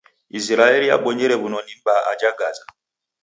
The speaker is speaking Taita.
Isiraeli yabonyere w'unoni m'baa aja Gaza.